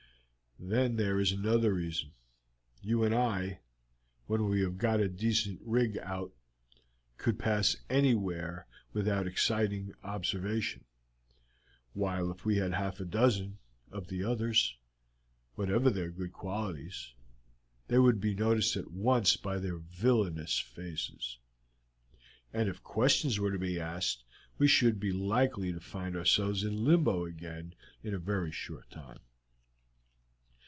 "Then there is another reason. You and I, when we have got a decent rig out, could pass anywhere without exciting observation; while if we had half a dozen of the others, whatever their good qualities, they would be noticed at once by their villainous faces, and if questions were to be asked we should be likely to find ourselves in limbo again in a very short time.